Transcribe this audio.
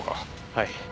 はい。